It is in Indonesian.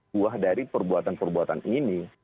buah dari perbuatan perbuatan ini